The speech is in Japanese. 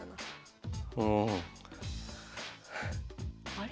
あれ？